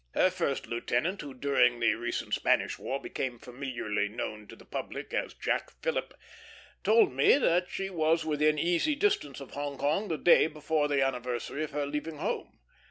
Her first lieutenant, who during the recent Spanish War became familiarly known to the public as Jack Philip, told me that she was within easy distance of Hong Kong the day before the anniversary of leaving home.